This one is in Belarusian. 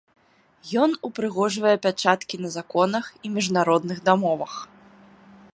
Ён упрыгожвае пячаткі на законах і міжнародных дамовах.